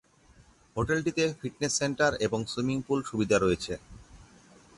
হোটেলটিতে fitness centre এবং swimming pool সুবিধা রয়েছে।